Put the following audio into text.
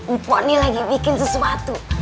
uponi lagi bikin sesuatu